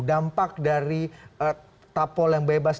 dampak dari tapol yang bebas